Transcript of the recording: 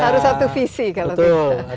harus satu visi kalau tidak